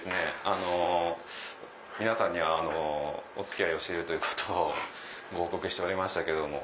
あの皆さんにはお付き合いをしているということをご報告しておりましたけども。